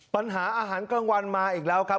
ปัญหาอาหารกลางวันมาอีกแล้วครับ